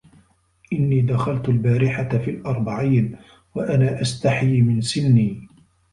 إنِّي دَخَلْت الْبَارِحَةَ فِي الْأَرْبَعِينَ وَأَنَا أَسْتَحِي مِنْ سِنِي